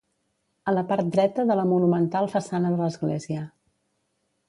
A la part dreta de la monumental façana de l'església